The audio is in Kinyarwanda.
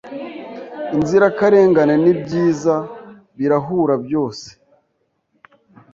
Inzirakarengane nibyiza birahura byose